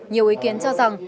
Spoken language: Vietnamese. nhiều ý kiến cho rằng